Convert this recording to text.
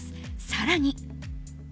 更に。